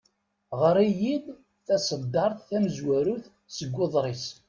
Ɣer-iyi-d taseddart tamezwarut seg uḍris.